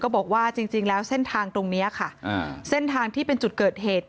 บอกว่าจริงแล้วเส้นทางตรงนี้ค่ะอ่าเส้นทางที่เป็นจุดเกิดเหตุ